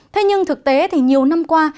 thế nhưng thực tế thì nhiều năm qua